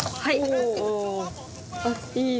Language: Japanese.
はい！